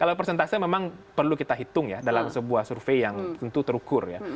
kalau persentase memang perlu kita hitung ya dalam sebuah survei yang tentu terukur ya